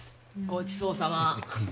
ごちそうさま。